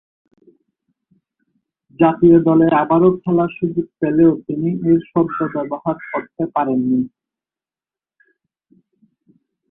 জাতীয় দলে আবারও খেলার সুযোগ পেলেও তিনি এর সদ্ব্যবহার করতে পারেননি।